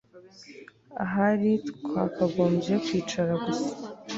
Ahari twakagombye kwicara gusa